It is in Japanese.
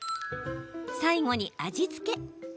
最後に味付け。